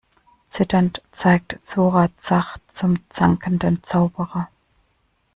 Zitternd zeigt Zora Zach zum zankenden Zauberer.